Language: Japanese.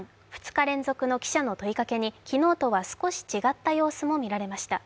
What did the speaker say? ２日連続の記者の問いかけに昨日とは少し違った様子もみられました。